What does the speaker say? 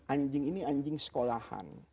anjing ini anjing sekolahan